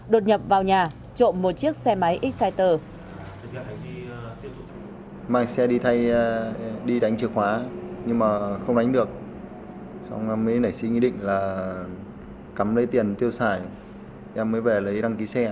đột nhập vào nhà trộm một chiếc xe máy xciter